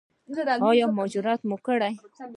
ایا مهاجرت مو کړی؟